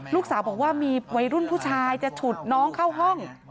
ลูกสาวบอกว่ามีวัยรุ่นผู้ชายจะฉุดน้องเข้าห้อง